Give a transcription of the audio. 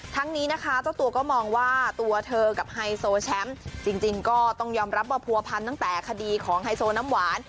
ทั้งนี้นะคะเจ้าตัวก็มองว่าตัวเธอกับไฮโซแชมป์จริงก็ต้องยอมรับว่าผัวพันตั้งแต่คดีของไฮโซน้ำหวาน